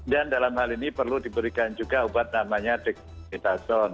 dan dalam hal ini perlu diberikan juga obat namanya dixitazone